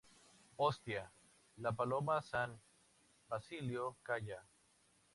¡ hostia, la Paloma San Basilio! ¡ calla!